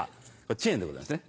チェーンでございますね